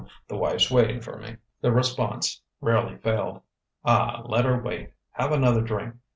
The wife's waiting for me." The response rarely failed: "Ah, let her wait; have another drink.